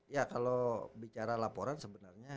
ya kalau bicara laporan sebenarnya